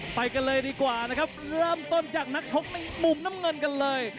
ไปกันเลยดีกว่านะครับเริ่มต้นจากนักชกในมุมน้ำเงินกันเลย